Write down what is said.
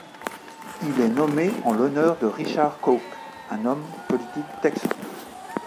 Il est nommé en l'honneur de Richard Coke, un homme politique texan.